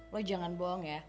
lo jangan bohong ya